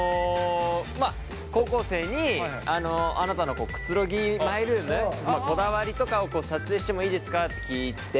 高校生にあなたのくつろぎマイルームこだわりとかを撮影してもいいですかって聞いて。